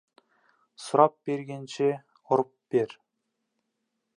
Сұрап бергенше, ұрып бер.